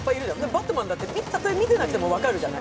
「バットマン」だって、たとえ見てなくても分かるじゃない。